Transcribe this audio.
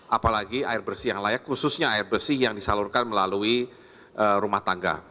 apalagi air bersih yang layak khususnya air bersih yang disalurkan melalui rumah tangga